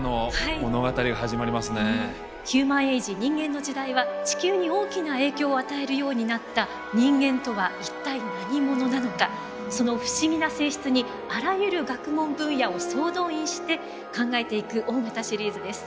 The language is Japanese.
「ヒューマンエイジ人間の時代」は地球に大きな影響を与えるようになった人間とは一体何者なのかその不思議な性質にあらゆる学問分野を総動員して考えていく大型シリーズです。